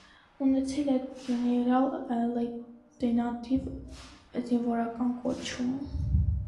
Ունեցել է գեներալ լեյտենանտի զինվորական կոչում։